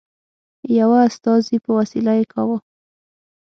یوه استازي په وسیله یې کاوه.